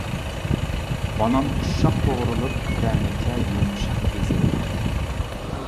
بانان ئۇششاق توغرىلىپ، پىرەنىكلەر يۇمشاق ئېزىلىدۇ.